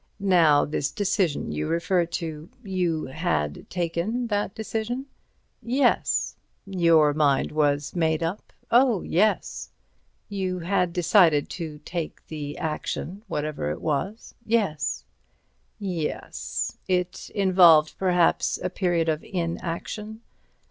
Now this decision you refer to—you had taken that decision." "Yes." "Your mind was made up?" "Oh, yes." "You had decided to take the action, whatever it was." "Yes." "Yes. It involved perhaps a period of inaction."